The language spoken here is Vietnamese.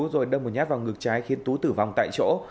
rồi đâm một nhát vào ngực trái khiến tú tử vong tại chỗ